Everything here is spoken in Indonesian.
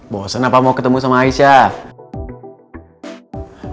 bosan apa mau ketemu sama aisyah